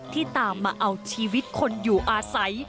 ตามมาเอาชีวิตคนอยู่อาศัย